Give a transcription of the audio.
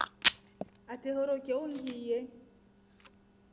Atehorokya ungiiye.